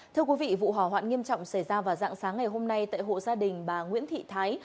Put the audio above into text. thưa quý vị vụ hỏa hoạn nghiêm trọng xảy ra vào dạng sáng ngày hôm nay tại hộ gia đình bà nguyễn thị thái